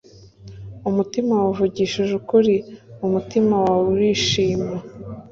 Umutima wawe uvugishije ukuri umutima wawe urishima